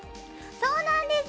そうなんです！